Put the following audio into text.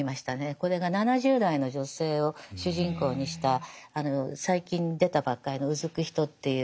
これが７０代の女性を主人公にした最近出たばっかりの「疼くひと」っていう。